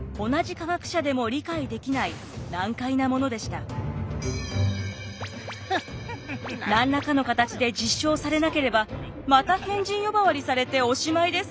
しかしこの理論は同じ何らかの形で実証されなければまた変人呼ばわりされておしまいです。